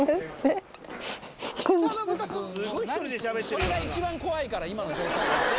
それが一番怖いから今の状態が。